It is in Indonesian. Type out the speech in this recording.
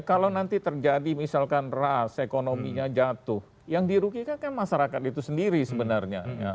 kalau nanti terjadi misalkan ras ekonominya jatuh yang dirugikan kan masyarakat itu sendiri sebenarnya